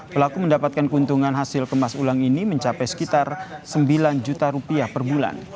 pelaku mendapatkan keuntungan hasil kemas ulang ini mencapai sekitar sembilan juta rupiah per bulan